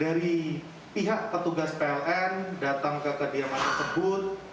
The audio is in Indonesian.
dari pihak petugas pln datang ke kediaman tersebut